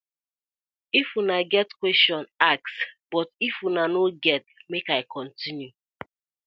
If una get question, ask but if una no get, mek I continue.